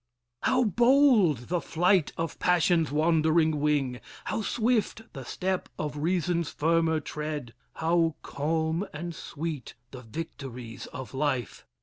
..... How bold the flight of passion's wandering wing, How swift the step of reason's firmer tread, How calm and sweet the victories of life.